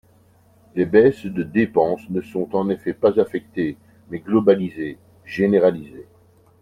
Les baisses de dépenses ne sont en effet pas affectées mais globalisées, généralisées.